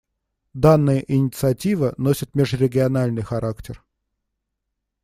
Данная инициатива носит межрегиональный характер.